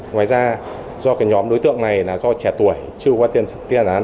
ngoài ra do nhóm đối tượng này thay đổi thường xuyên do vậy gây khó khăn trong công tác điều tra xác minh